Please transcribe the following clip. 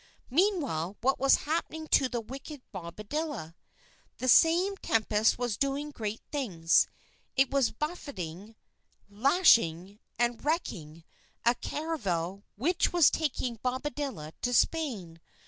Meanwhile, what was happening to the wicked Bobadilla? That same tempest was doing great things. It was buffeting, lashing, and wrecking a caravel which was taking Bobadilla to Spain.